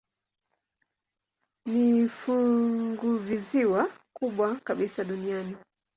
Ni funguvisiwa kubwa kabisa duniani.